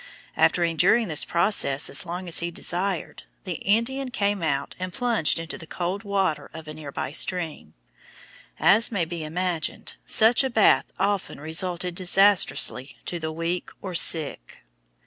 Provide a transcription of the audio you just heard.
After enduring this process as long as he desired, the Indian came out and plunged into the cold water of a near by stream. As may be imagined, such a bath often resulted disastrously to the weak or sick.